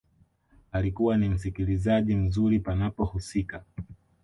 Alikuwa ni msikilizaji mzuri panapohusika